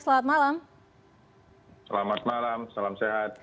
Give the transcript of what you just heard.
selamat malam salam sehat